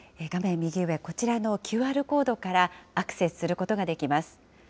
右上、こちらのＱＲコードからアクセスすることができます。